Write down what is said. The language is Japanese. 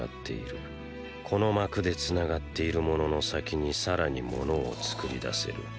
この膜で繋がっている物の先にさらに物を作り出せる。